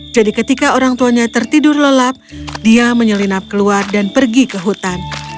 jadi ketika orang tuanya tertidur lelap dia menyelinap keluar dan pergi ke hutan